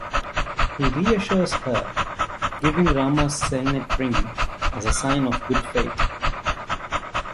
He reassures her, giving Rama's signet ring as a sign of good faith.